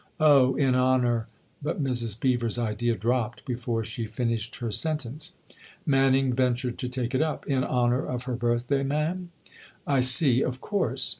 " Oh, in honour " But Mrs. Beever's idea dropped before she finished her sentence. Manning ventured to take it up. " In honour of her birthday, ma'am." " I see of course.